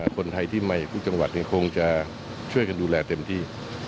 คนไทยที่มีอยู่ในกรุงจังหวัดจะช่วยดูแลเต็มที